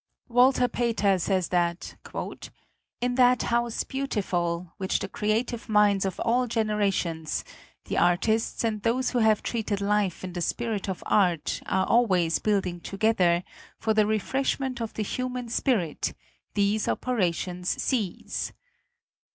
Walter Pater says that "in that House Beautiful, which the creative minds of all generations the artists and those who have treated life in the spirit of art are always building together, for the refreshment of the human spirit, these operations cease."